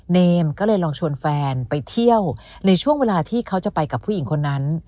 เนมก็เลยลองชวนแฟนไปเที่ยวในช่วงเวลาที่เขาจะไปกับผู้หญิงคนนั้น